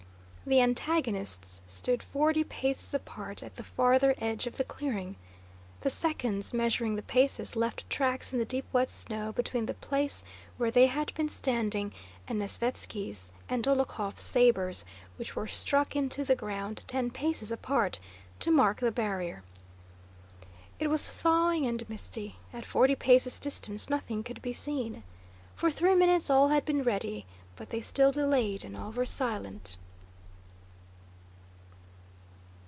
The antagonists stood forty paces apart at the farther edge of the clearing. The seconds, measuring the paces, left tracks in the deep wet snow between the place where they had been standing and Nesvítski's and Dólokhov's sabers, which were stuck into the ground ten paces apart to mark the barrier. It was thawing and misty; at forty paces' distance nothing could be seen. For three minutes all had been ready, but they still delayed and all were silent.